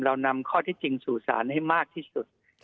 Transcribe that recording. เรานำข้อที่จริงสู่ศาลให้มากที่สุด